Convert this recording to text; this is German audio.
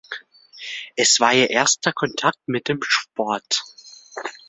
Es war ihr erster Kontakt mit dem Sport.